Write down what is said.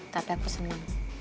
tapi aku senang